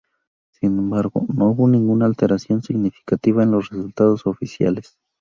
Sin embargo, no hubo ninguna alteración significativa en los resultados oficiales.